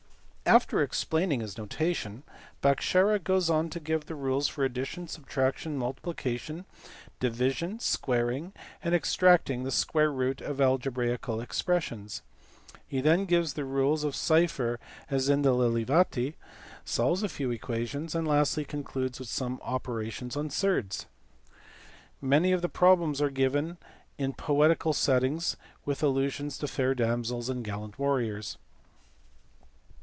After explaining his notation, Bhaskara goes on to give the rules for addition, subtraction, multiplica tion, division, squaring, and extracting the square root of alge braical expressions : he then gives the rules of cipher as in the Lilavati \ solves a few equations ; and lastly concludes with some operations on surds. Many of the problems are given in a poetical setting with allusions to fair damsels and gallant warriors.